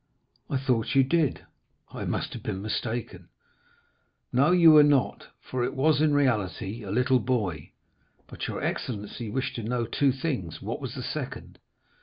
"I thought you did; I must have been mistaken." "No, you were not, for it was in reality a little boy. But your excellency wished to know two things; what was the second?"